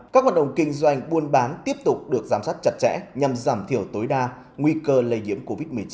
các hoạt động kinh doanh buôn bán tiếp tục được giám sát chặt chẽ nhằm giảm thiểu tối đa nguy cơ lây nhiễm covid một mươi chín